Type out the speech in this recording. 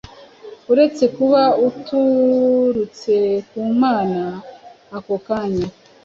uretse kuba uturutse ku Mana ako kanya,